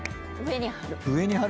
上に貼る。